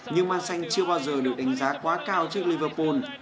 nhưng man xanh chưa bao giờ được đánh giá quá cao trước liverpool